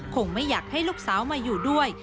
คงไม่อยากให้ลูกสาวมาอยู่ด้วย